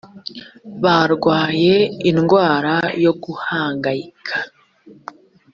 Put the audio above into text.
barwaye indwara yo guhangayika